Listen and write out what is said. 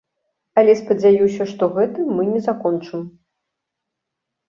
Але спадзяюся, што гэтым мы не закончым.